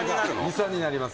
遺産になります